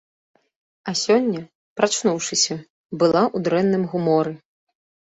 А сёння, прачнуўшыся, была ў дрэнным гуморы.